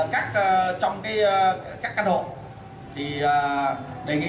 các căn hộ thì đề nghị là trong cái kiến nghị là chủ cơ sở phải khắc phục cái việc này là ngay